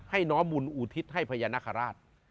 ให้น้อมูลอุทิศให้พญานาคาราช